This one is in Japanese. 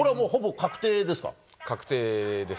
確定です。